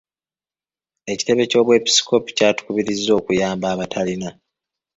Ekitebe ky'obwebisikoopi kyatukubiriza okuyamba abatalina.